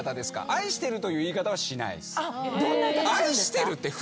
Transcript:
「愛してる」という言い方はしないです。